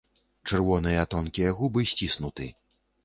Чырвоныя тонкія губы сціснуты.